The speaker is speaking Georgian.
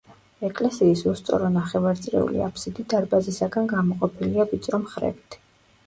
ეკლესიის უსწორო ნახევარწრიული აფსიდი დარბაზისაგან გამოყოფილია ვიწრო მხრებით.